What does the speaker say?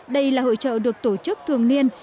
đây là hội trợ được tổ chức thường niên